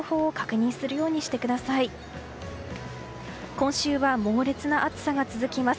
今週は猛烈な暑さが続きます。